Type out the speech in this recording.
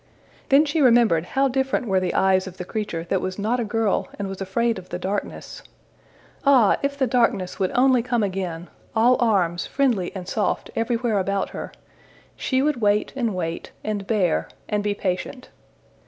Then she remembered how different were the eyes of the creature that was not a girl and was afraid of the darkness! Ah, if the darkness would only come again, all arms, friendly and soft everywhere about her! She would wait and wait, and bear, and be patient.